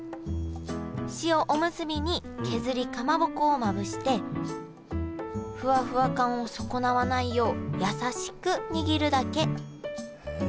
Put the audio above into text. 塩おむすびに削りかまぼこをまぶしてフワフワ感を損なわないよう優しく握るだけ。